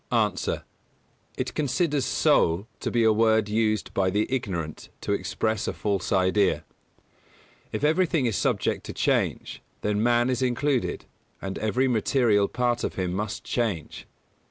A. It considers "soul" to be a word used by the ignorant to express a false idea. If everything is subject to change, then man is included, and every material part of him must change.